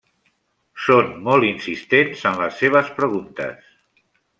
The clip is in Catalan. Són molt insistents en les seves preguntes.